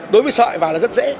đối với sợi vào là rất dễ